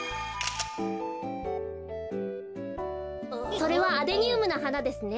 それはアデニウムのはなですね。